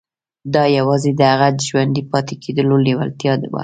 دا یوازې د هغه د ژوندي پاتې کېدو لېوالتیا وه